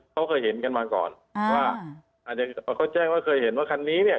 เขาเคยเห็นกันมาก่อนว่าอาจจะเขาแจ้งว่าเคยเห็นว่าคันนี้เนี่ย